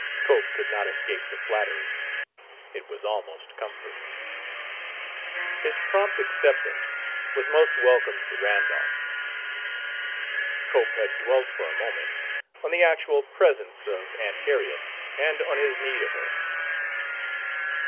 Cope could not escape the flattery; it was almost comfort. His prompt acceptance was most welcome to Randolph. Cope had dwelt, for a moment, on the actual presence of Aunt Harriet and on his need of her.